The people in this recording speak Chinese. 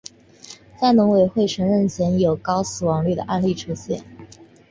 在农委会承认前已有高死亡率的案例出现。